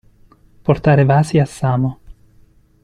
Portare vasi a Samo.